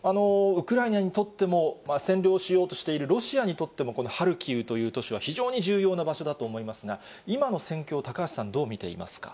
ウクライナにとっても、占領しようとしているロシアにとっても、ハルキウという都市は非常に重要な場所だと思いますが、今の戦況、高橋さん、どう見ていますか？